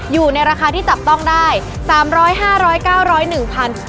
อยู่ในราคาที่จับต้องได้๓๐๐๕๐๐๙๐๑๐๐บาท